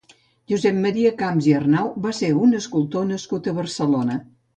Josep Maria Camps i Arnau va ser un escultor nascut a Barcelona.